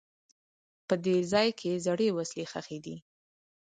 په دې ځای کې زړې وسلې ښخي دي.